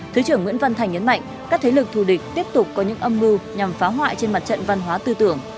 thứ trưởng nguyễn văn thành nhấn mạnh các thế lực thù địch tiếp tục có những âm mưu nhằm phá hoại trên mặt trận văn hóa tư tưởng